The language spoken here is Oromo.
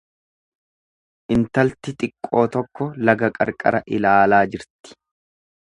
Intalti xiqqoo tokko laga qarqara ilaalaa jirti.